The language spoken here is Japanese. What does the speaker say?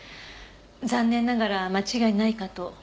残念ながら間違いないかと。